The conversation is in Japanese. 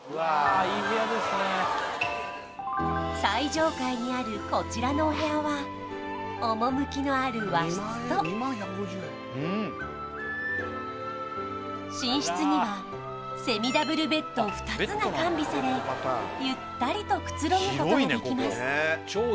最上階にあるこちらのお部屋は趣のある和室と寝室にはセミダブルベッド２つが完備されゆったりとくつろぐことができます